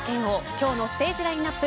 今日のステージラインアップ